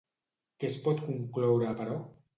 Què es pot concloure, però?